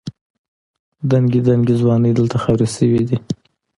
دنګې دنګې ځوانۍ دلته خاورې شوې دي.